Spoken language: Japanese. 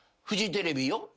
「フジテレビよ」